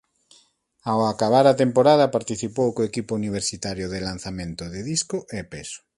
Ao acabar a temporada participou co equipo universitario de lanzamento de disco e peso.